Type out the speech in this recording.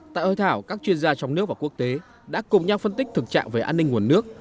tại hội thảo các chuyên gia trong nước và quốc tế đã cùng nhau phân tích thực trạng về an ninh nguồn nước